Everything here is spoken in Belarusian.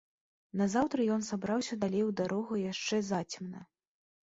Назаўтра ён сабраўся далей у дарогу яшчэ зацемна.